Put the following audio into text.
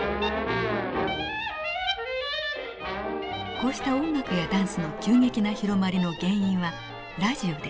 こうした音楽やダンスの急激な広まりの原因はラジオでした。